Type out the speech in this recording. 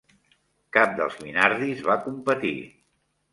Cap dels Minardis va competir.